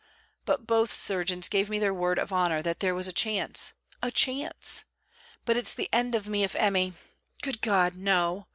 But both surgeons gave me their word of honour that there was a chance. A chance! But it's the end of me if Emmy.... Good God! no!